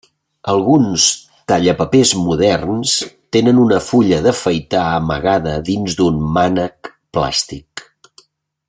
Alguns tallapapers moderns tenen una fulla d'afaitar amagada dins d'un mànec plàstic.